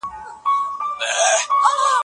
هلته زموږ دښمن انګرېز دئ